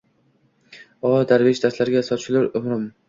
o, darvesh dashtlarga sochilur umrim